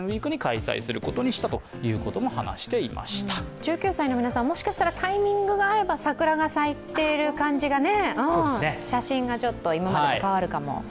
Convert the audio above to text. １９歳の皆さん、もしかしたらタイミングが合えば桜が咲いている感じが、写真がちょっと今までと変わるかも。